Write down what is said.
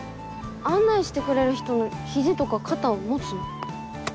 案内してくれる人の肘とか肩を持つの。